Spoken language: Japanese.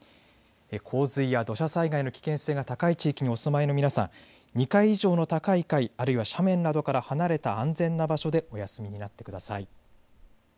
洪水や土砂災害の危険性が高い地域にお住まいの皆さん２階以上の高い階あるいは斜面などから離れた安全な場所でお休みになってください。